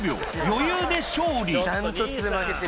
余裕で勝利。